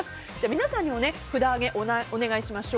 皆さんにも札上げをお願いしましょう。